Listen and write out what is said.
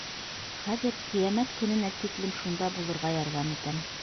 Хәҙер ҡиәмәт көнөнә тиклем шунда булырға ярҙам итәм.